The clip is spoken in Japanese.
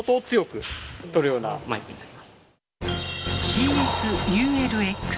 「ＣＳ−ＵＬＸ」。